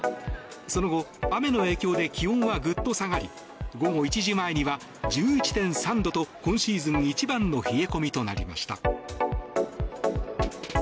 その後、雨の影響で気温はグッと下がり午後１時前には１１．３度と今シーズン一番の冷え込みとなりました。